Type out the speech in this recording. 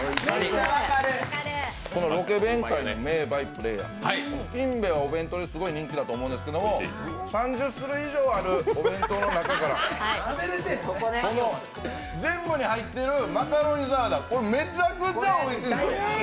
ロケ弁界の名バイプレーヤー、金兵衛のお弁当、すごい人気だと思うんですけども３０種類以上あるお弁当の中から全部に入ってるマカロニサラダ、これ、めちゃくちゃおいしいんです。